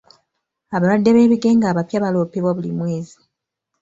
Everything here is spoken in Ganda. Abalwadde b'ebigenge abapya baloopebwa buli mwezi.